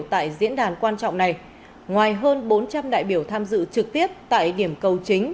tại diễn đàn quan trọng này ngoài hơn bốn trăm linh đại biểu tham dự trực tiếp tại điểm cầu chính